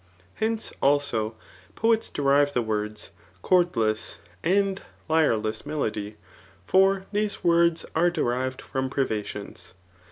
Hence, also, poets derive the words, chordlesSj and lyreless melody ; for these words are derived from privations.